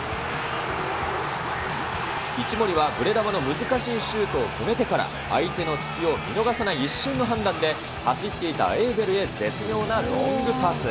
一森はぶれ球の難しいシュートを止めてから、相手の隙を見逃さない一瞬の判断で、走っていたエウベルへ絶妙なロングパス。